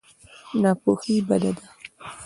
ناپوهي بده ده.